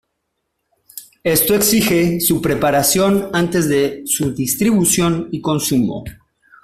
Esto exige su preparación antes de su distribución y consumo.